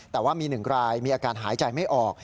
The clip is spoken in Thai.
แต่ว่ามี๑รายมีอาการหายใจไม่ออก